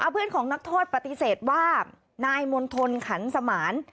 เพื่อนของนักโทษปฏิเสธว่านายมณฑลขันสมาน